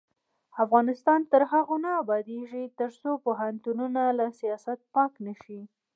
افغانستان تر هغو نه ابادیږي، ترڅو پوهنتونونه له سیاست پاک نشي.